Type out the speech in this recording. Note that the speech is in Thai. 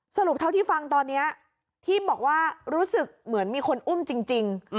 สรุปเท่าที่ฟังตอนนี้ที่บอกว่ารู้สึกเหมือนมีคนอุ้มจริง